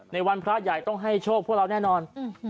ในวันพระใหญ่ต้องให้โชคพวกเราแน่นอน